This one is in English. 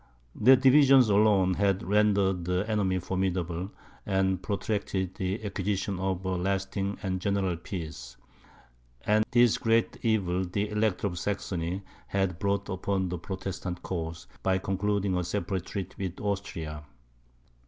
Their divisions alone, had rendered the enemy formidable, and protracted the acquisition of a lasting and general peace. And this great evil the Elector of Saxony had brought upon the Protestant cause by concluding a separate treaty with Austria.